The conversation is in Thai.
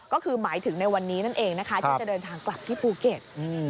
ก็คือหมายถึงในวันนี้นั่นเองนะคะที่จะเดินทางกลับที่ภูเก็ต